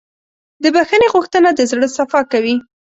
د بښنې غوښتنه د زړه صفا کوي.